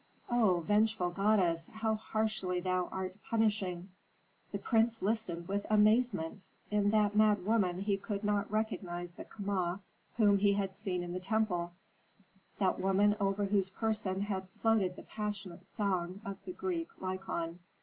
O vengeful goddess, how harshly thou art punishing!" The prince listened with amazement. In that mad woman he could not recognize the Kama whom he had seen in the temple, that woman over whose person had floated the passionate song of the Greek Lykon.